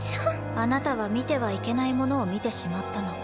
あなたは見てはいけないものを見てしまったの。